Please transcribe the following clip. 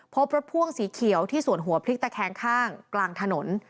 พบรถพ่วงสีเขียวที่ส่วนหัวพลิกตะแคงข้างกลางถนน